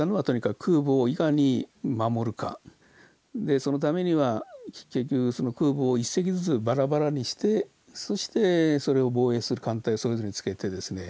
そのためには空母を１隻ずつバラバラにしてそれを防衛する艦隊をそれぞれにつけてですね